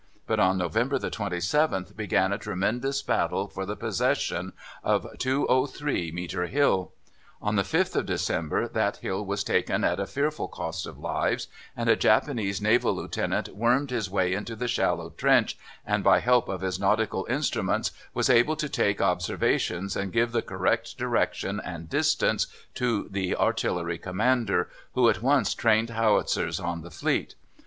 But on November the 27th began a tremendous battle for the possession of 203 Metre Hill. On the 5th of December that hill was taken at a fearful cost of lives, and a Japanese naval Lieutenant wormed his way into the shallow trench and by help of his nautical instruments was able to take observations and give the correct direction and distance to the artillery commander, who at once trained Howitzers on the fleet.